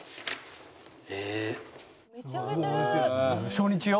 初日よ。